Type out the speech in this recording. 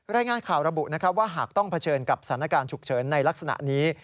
รายงานข่าวระบุว่าหากต้องเผชิญกับสถานการณ์ฉุกเฉินในลักษณะนี้